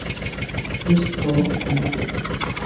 সুস্থ, নিখুঁত।